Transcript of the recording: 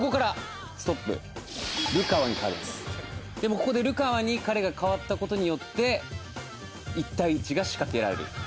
ここで、流川に彼が変わった事によって１対１が仕掛けられる。